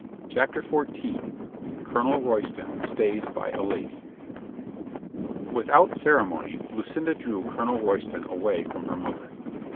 CHAPTER FOURTEEN COLONEL ROYSTON STAYS BY A LADY WITHOUT ceremony Lucinda drew Colonel Royston away from her mother.